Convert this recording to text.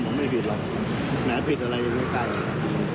พี่อุ๋ยพ่อจะบอกว่าพ่อจะรับผิดแทนลูก